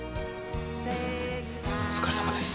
お疲れさまです。